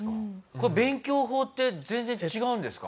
これ勉強法って全然違うんですか？